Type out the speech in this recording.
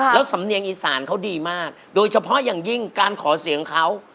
แล้วสำเนียงอีสานเขาดีมากโดยเฉพาะอย่างยิ่งการขอเสียงเขา